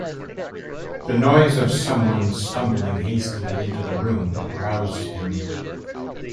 The noise of some one stumbling hastily into the room, roused him.